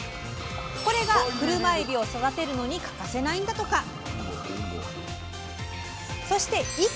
これがクルマエビを育てるのに欠かせないんだとか。